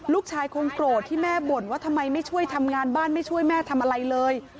คงโกรธที่แม่บ่นว่าทำไมไม่ช่วยทำงานบ้านไม่ช่วยแม่ทำอะไรเลย